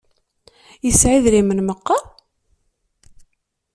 Yesɛa idrimen meqqar?